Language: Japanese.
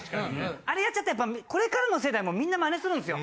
あれやっちゃうとこれからの世代もみんな真似するんっすよ。